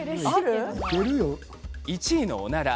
１位のおなら。